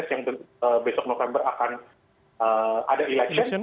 yang besok november akan ada election